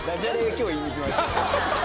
今日言いに来ました。